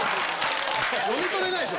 読み取れないでしょ。